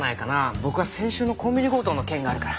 僕は先週のコンビニ強盗の件があるから。